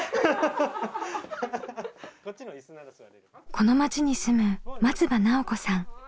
この町に住む松場奈緒子さん。